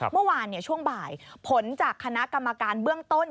เมื่อวานช่วงบ่ายผลจากคณะกรรมการเบื้องต้น